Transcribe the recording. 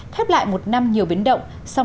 khép lại một năm nhiều biến động